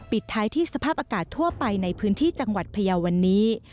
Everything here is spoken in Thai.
ปิดท้ายที่สภาพอากาศทั่วไปในพื้นที่จังหวัดพยาววันนี้